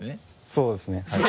そうですねはい。